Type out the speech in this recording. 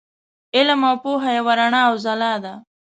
علم او پوهه یوه رڼا او ځلا ده.